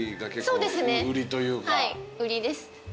はい売りです。